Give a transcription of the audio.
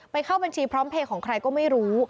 เข้าบัญชีพร้อมเพลย์ของใครก็ไม่รู้